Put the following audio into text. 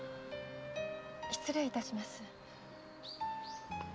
失礼いたします。